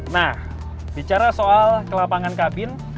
nah bicara soal kelapangan kabin